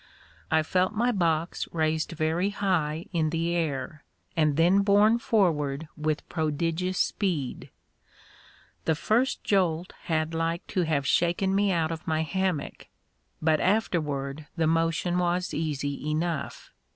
I felt my box raised very high in the air, and then borne forward with prodigious speed. The first jolt had like to have shaken me out of my hammock, but afterward the motion was easy enough.